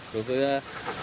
trong công tác huấn luyện